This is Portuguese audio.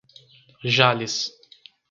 Jales